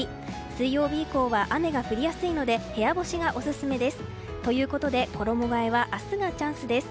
水曜日以降は雨が降りやすいので部屋干しがオススメです。ということで衣替えは明日がチャンスです。